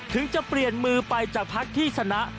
ถึงจะเปลี่ยนมือไปจากพักที่ชนะ